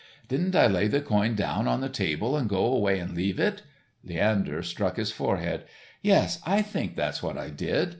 Didn't I lay the coin down on the table and go away and leave it." Leander struck his forehead. "Yes, I think that's what I did.